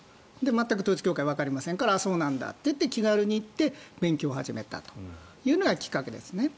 全く統一教会、わかりませんからそうなんだと気軽に行って勉強を始めたというのがきっかけですね。